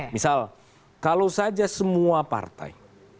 misal kalau saja semua partai